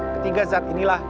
ketiga zat inilah yang terjadi